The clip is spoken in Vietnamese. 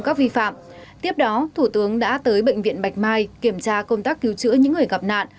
các vi phạm tiếp đó thủ tướng đã tới bệnh viện bạch mai kiểm tra công tác cứu chữa những người gặp nạn